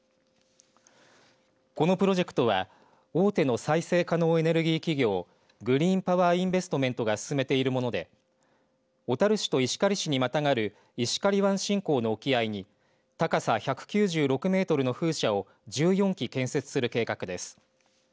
このプロジェクトは大手の再生可能エネルギー企業グリーンパワーインベストメントが進めているもので小樽市と石狩市にまたがる石狩湾新港の沖合に高さ１９６メートルの風車を１４基建設する計画です。